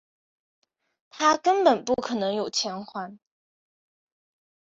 他根本不可能有钱还